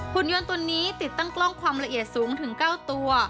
คุณยนต์ตัวนี้ติดตั้งกล้องความละเอียดสูงถึง๙ตัว